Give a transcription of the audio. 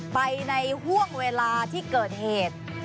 ไปในห่วงเวลาที่เกิดเหตุ